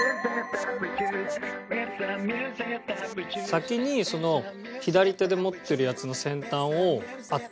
先にその左手で持ってるやつの先端を温めて。